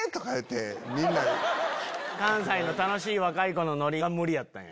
関西の楽しい若い子のノリが無理やったんや。